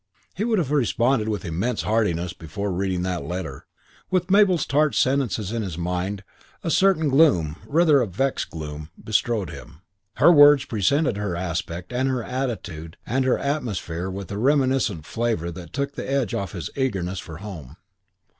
He would have responded with immense heartiness before reading that letter. With Mabel's tart sentences in his mind a certain gloom, a rather vexed gloom, bestrode him. Her words presented her aspect and her attitude and her atmosphere with a reminiscent flavour that took the edge off his eagerness for home.